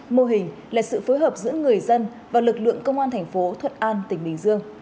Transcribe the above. mô hình là sự phối hợp giữa người dân và lực lượng công an thành phố thuận an tỉnh bình dương